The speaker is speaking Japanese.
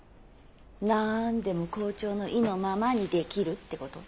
なんでも校長の意のままにできるってこと？